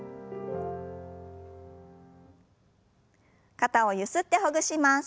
肩をゆすってほぐします。